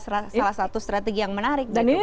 salah satu strategi yang menarik dan ini